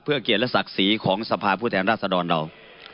เพื่อเกียรติศักดิ์สีของสภาพุทธแห่งราษฎรเรา